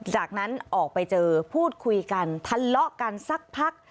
จากนั้นออกไปเจอพูดคุยกันทะเลาะกันสักพัก